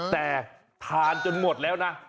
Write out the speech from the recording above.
แต่ทานจนหมดแล้วนะ